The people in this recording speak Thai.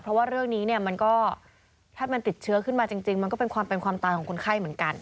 เพราะว่าเรื่องนี้เนี่ยมันก็ถ้ามันติดเชื้อขึ้นมาจริงมันก็เป็นความเป็นความตายของคนไข้เหมือนกัน